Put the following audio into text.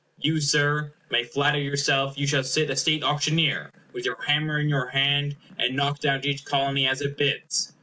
You, Sir, may flatter yourself you shall sit a state auctioneer, with your hammer in your hand, and knock down to each Colony as it bids.